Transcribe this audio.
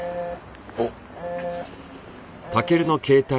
おっ。